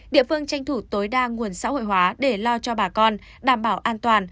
địa phương tranh thủ tối đa nguồn xã hội hóa để lo cho bà con đảm bảo an toàn